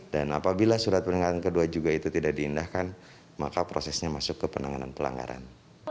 dan apabila surat peringatan kedua juga itu tidak diindahkan maka prosesnya masuk ke penanganan pelanggaran